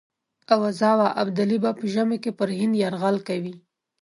آوازه وه ابدالي به په ژمي کې پر هند یرغل کوي.